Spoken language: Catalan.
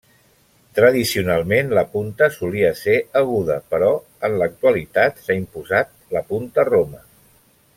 Tradicionalment la punta solia ser aguda, però en l'actualitat s'ha imposat la punta roma.